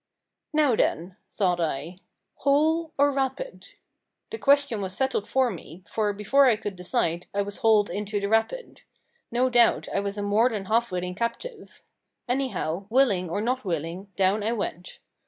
"Now, then," thought I, "hole or rapid?" The question was settled for me, for before I could decide, I was hauled into the rapid. No doubt I was a more than half willing captive. Anyhow, willing or not willing, down I went.